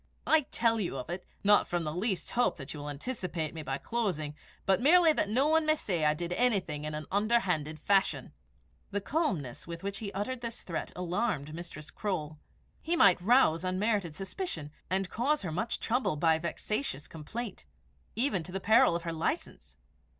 I tell you of it, not from the least hope that you will anticipate me by closing, but merely that no one may say I did anything in an underhand fashion." The calmness with which he uttered the threat alarmed Mistress Croale. He might rouse unmerited suspicion, and cause her much trouble by vexatious complaint, even to the peril of her license.